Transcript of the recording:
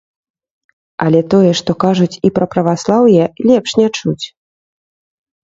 Але тое што кажуць і пра праваслаўе, лепш не чуць.